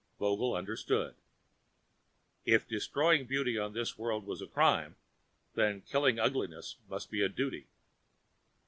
Vogel understood. If destroying beauty on this world was a crime, then killing ugliness must be a duty.